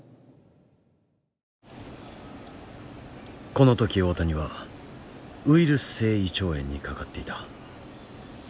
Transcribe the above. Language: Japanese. この時大谷はウイルス性胃腸炎にかかっていた。